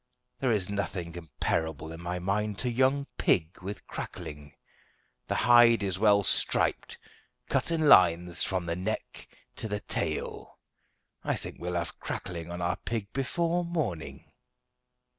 There is nothing comparable in my mind to young pig with crackling. The hide is well striped, cut in lines from the neck to the tail. I think we'll have crackling on our pig before morning."